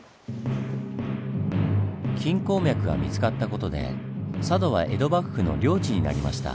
金鉱脈が見つかった事で佐渡は江戸幕府の領地になりました。